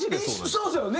そうですよね。